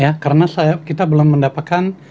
ya karena kita belum mendapatkan